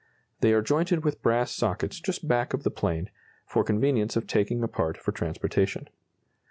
They are jointed with brass sockets just back of the plane, for convenience of taking apart for transportation.